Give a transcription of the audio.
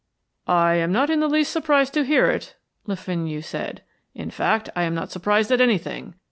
"I am not in the least surprised to hear it," Le Fenu said. "In fact, I am not surprised at anything.